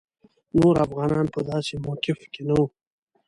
نور افغانان په داسې موقف کې نه وو.